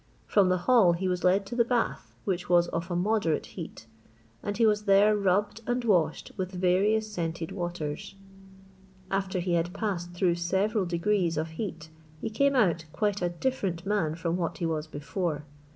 From the hall he was led to the bath, which was of a moderate heat, and he was there rubbed and washed with various scented waters. After he had passed through several degrees of heat, he came out, quite a different man from what he was before.